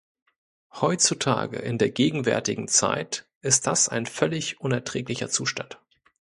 Heutzutage, in der gegenwärtigen Zeit, ist das ein völlig unerträglicher Zustand.